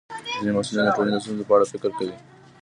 ځینې محصلین د ټولنې د ستونزو په اړه فکر کوي.